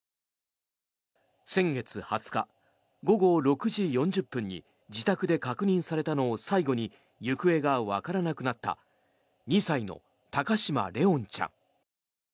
先月２０日午後６時４０分に自宅で確認されたのを最後に行方がわからなくなった２歳の高嶋怜音ちゃん。